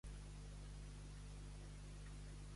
Milità també a Solidaritat Internacional Antifeixista.